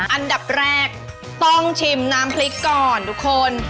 อันดับแรกต้องชิมน้ำพริกก่อนทุกคน